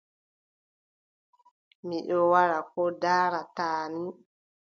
Mi ɗon wara ko ndaarataa mi ?